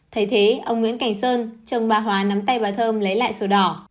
thay thế ông nguyễn cảnh sơn chồng bà hóa nắm tay bà thơm lấy lại sổ đỏ